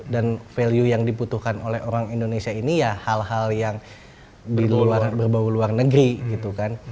dan value yang diputuhkan oleh orang indonesia ini ya hal hal yang berbau luar negeri gitu kan